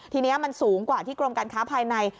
ทีนี้มันสูงกว่าที่กรมการค้าภายใน